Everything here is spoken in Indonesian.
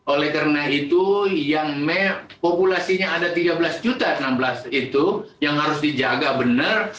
oleh karena itu yang populasinya ada tiga belas juta enam belas itu yang harus dijaga benar